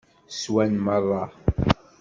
Swan merra.